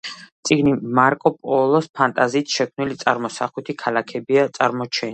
წიგნში მარკო პოლოს ფანტაზიით შექმნილი წარმოსახვითი ქალაქებია წარმოჩენილი.